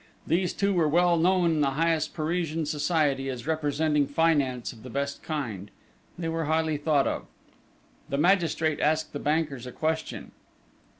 These two were well known in the highest Parisian society as representing finance of the best kind. They were highly thought of. The magistrate asked the bankers a question.